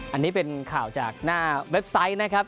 อันนี้เป็นข่าวจากหน้าเว็บไซต์นะครับ